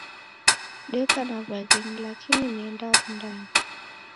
Deka na waghenyi lakini nienda Wundanyi.